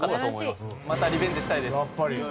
またリベンジしたいです。